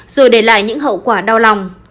rồi để lại những hậu quả đau lòng